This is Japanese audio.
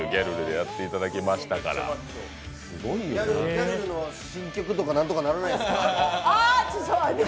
ギャルルの新曲とか何とかならないですか？